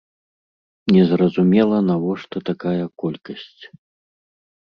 Незразумела, навошта такая колькасць.